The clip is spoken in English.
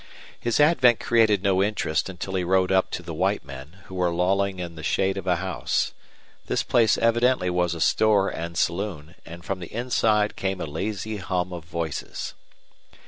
His advent created no interest until he rode up to the white men, who were lolling in the shade of a house. This place evidently was a store and saloon, and from the inside came a lazy hum of voices.